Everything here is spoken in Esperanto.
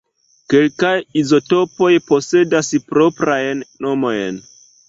Kelkaj izotopoj posedas proprajn nomojn.